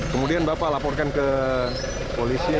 kemudian bapak laporkan ke polisi